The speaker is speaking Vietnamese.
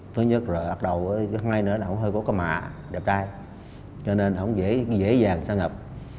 thứ nhất là bắt đầu hôm nay nữa là hơi có cái mà đẹp trai cho nên hổng dễ dàng xâm nhập